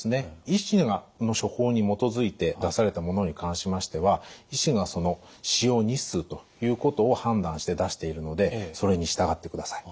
医師の処方に基づいて出されたものに関しましては医師が使用日数ということを判断して出しているのでそれに従ってください。